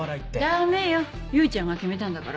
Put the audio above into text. ダメよ唯ちゃんが決めたんだから。